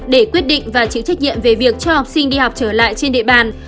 để quyết định và chịu trách nhiệm về việc cho học sinh đi học trở lại trên địa bàn